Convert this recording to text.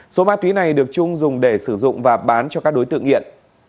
số ma túy này được trung dùng để sử dụng và bán cho các đối tượng nghiện